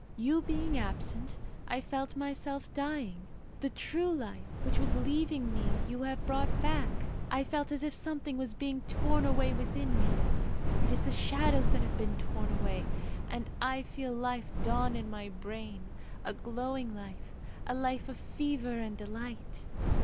You being absent, I felt myself dying. The true life which was leaving me you have brought back. I felt as if something was being torn away within me. It is the shadows that have been torn away, and I feel life dawn in my brain a glowing life, a life of fever and delight.